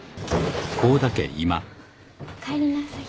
おかえりなさい。